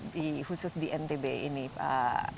di khusus di ntb ini pak